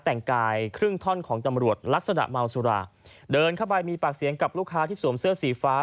แต่งกายครึ่งท่อนของตำรวจลักษณะเมาสุราเดินเข้าไปมีปากเสียงกับลูกค้าที่สวมเสื้อสีฟ้า